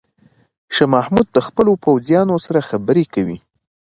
شاه محمود د خپلو پوځیانو سره خبرې کوي.